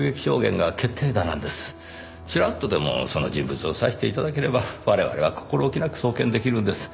チラッとでもその人物を指して頂ければ我々は心置きなく送検出来るんです。